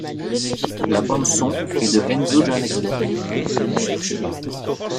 La bande son est de Enzo Jannacci.